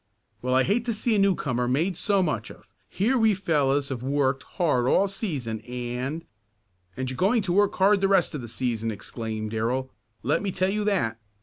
"Well, I hate to see a newcomer made so much of. Here we fellows have worked hard all season, and " "And you're going to work hard the rest of the season!" exclaimed Darrell. "Let me tell you that!